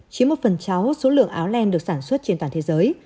chỉ một phần cháu số lượng áo len được sản xuất trên toàn thế giới